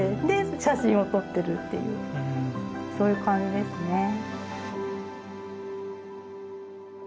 で写真を撮ってるっていうそういう感じですね。